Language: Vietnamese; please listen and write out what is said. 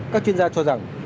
các chuyên gia cho rằng